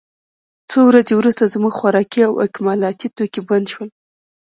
څو ورځې وروسته زموږ خوراکي او اکمالاتي توکي بند شول